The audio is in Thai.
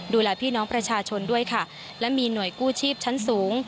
ดูแลพี่น้องประชาชนด้วยค่ะและมีหน่วยกู้ชีพชั้นสูง